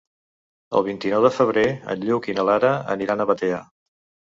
El vint-i-nou de febrer en Lluc i na Lara aniran a Batea.